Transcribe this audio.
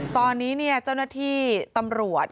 ตอนนี้เจ้าหน้าที่ตำรวจ